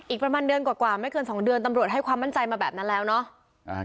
อีกประมาณเดือนกว่าไม่เกินสองเดือนตำรวจให้ความมั่นใจมาแบบนั้นแล้วเนาะ